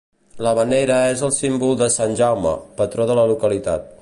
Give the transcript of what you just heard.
La venera és el símbol de Sant Jaume, patró de la localitat.